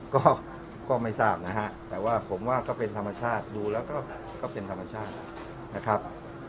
ก็ไม่ทราบนะฮะแต่ว่าผมว่าก็เป็นธรรมชาติดูแล้วก็เป็นธรรมชาตินะครับ